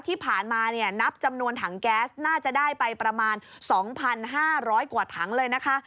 ที่ผ่านมาเนี่ยนับจำนวนถังแก๊สน่าจะได้ไปประมาณ๒๕๐๐กว่าถังเลยนะคะ